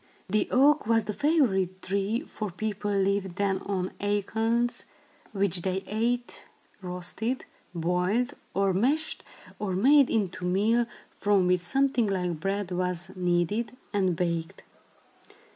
The oak was the favorite tree, for people lived then on acorns, which they ate roasted, boiled or mashed, or made into meal, from which something like bread was kneaded and baked.